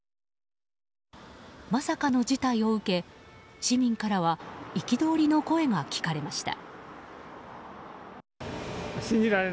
まさかの事態を受け、市民からは憤りの声が聞かれました。